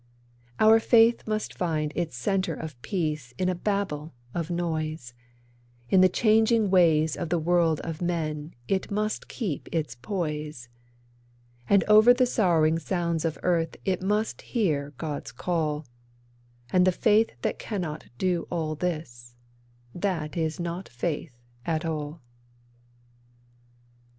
Our faith must find its centre of peace in a babel of noise; In the changing ways of the world of men it must keep its poise; And over the sorrowing sounds of earth it must hear God's call; And the faith that cannot do all this, that is not faith at all.